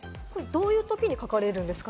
どういうときに書かれるんですか？